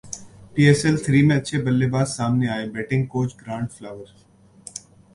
پی S L three میں اچھے بلے باز سامنے ائے بیٹنگ کوچ گرانٹ فلاور